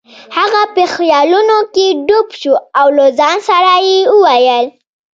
هغه په خیالونو کې ډوب شو او له ځان سره یې وویل.